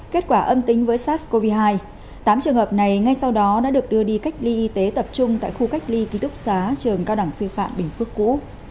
kết quả âm tính với sars cov hai tám trường hợp này ngay sau đó đã được đưa đi cách ly y tế tập trung tại khu cách ly ký túc xá trường cao đẳng sư phạm bình phước cũ